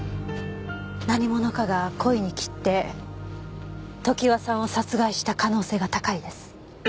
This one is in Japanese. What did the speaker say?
何者かが故意に切って常盤さんを殺害した可能性が高いです。